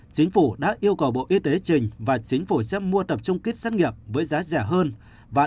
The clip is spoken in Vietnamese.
chính phủ đã yêu cầu bộ y tế trình và chính phủ sẽ mua tập trung kit xét nghiệm với giá rẻ hơn